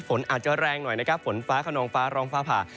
ฝนอาจจะแรงหน่อยนะครับฝนฟ้าขนองฟ้าร้องฟ้าผ่า